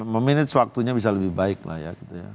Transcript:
meminit waktunya bisa lebih baik lah ya